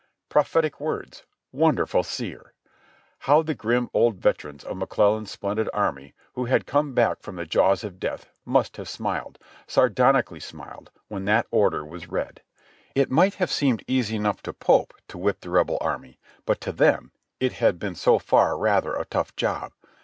Prophetic words ! Wonderful seer ! How the grim old veterans of McClellan's splendid army, who had come back from the jaws of death, must have smiled, sardoni cally smiled, when that order was read. It might have seemed easy enough to Pope to whip the Rebel army, but to them it had been so far rather a tough job.